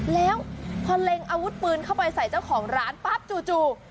แล้วพอเล็งอาวุธปืนเข้าไปใส่เจ้าของร้านปั๊บจู่